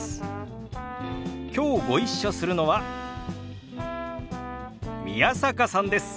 きょうご一緒するのは宮坂さんです。